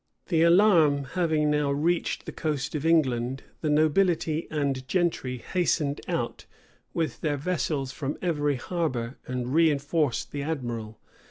The alarm having now reached, the coast of England, the nobility and gentry hastened out, with their vessels from every harbor, and reënforced the admiral.